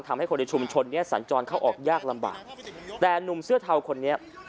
ทำให้คนในชุมชนเนี้ยสัญจรเข้าออกยากลำบากแต่หนุ่มเสื้อเทาคนนี้